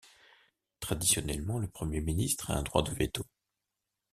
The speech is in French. Traditionnellement, le Premier ministre a un droit de veto.